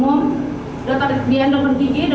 dokter dian dokter gigi dokter indah juga